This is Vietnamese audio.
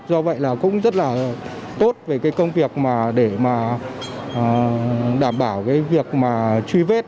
do vậy là cũng rất là tốt về công việc để đảm bảo việc truy vết